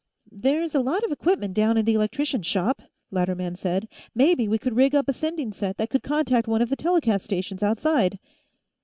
"There's a lot of equipment down in the electricians' shop," Latterman said. "Maybe we could rig up a sending set that could contact one of the telecast stations outside."